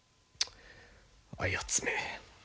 あやつめ。